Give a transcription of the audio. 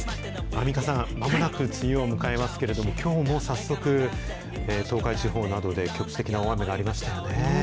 アンミカさん、まもなく梅雨を迎えますけれども、きょうも早速、東海地方などで局地的な大雨がありましたよね。